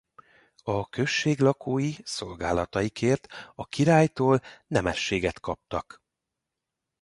A község lakói szolgálataikért a királytól nemességet kaptak.